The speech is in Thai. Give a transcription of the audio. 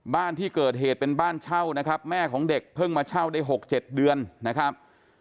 บ้านที่เกิดเหตุเป็นบ้านเช่านะครับแม่ของเด็กเพิ่งมาเช่าได้๖๗เดือนนะครับ